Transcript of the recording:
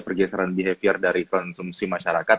pergeseran behavior dari konsumsi masyarakat